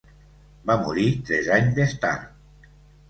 Va morir tres anys més tard.